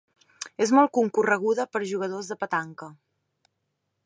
És molt concorreguda per jugadors de petanca.